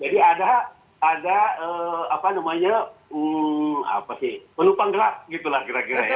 jadi ada apa namanya apa sih penumpang gerak gitu lah kira kira ya